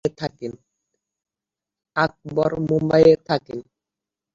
আকবর মুম্বাইয়ে থাকেন।